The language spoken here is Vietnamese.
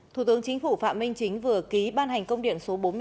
thủ tướng chính phủ phạm minh chính vừa ký ban hành công điện số bốn mươi năm